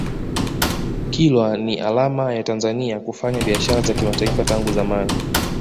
kilwa ni alama ya tanzania kufanya biashara za kimataifa tangu zamani